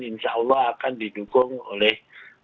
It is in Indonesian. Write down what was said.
insya allah akan didukung oleh